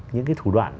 những cái thủ đoạn